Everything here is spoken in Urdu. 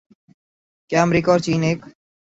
کیا امریکہ اور چین ایک